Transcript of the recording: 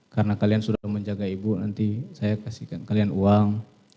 karena kalian sudah menjaga ibu nanti saya kasihkan kalian uang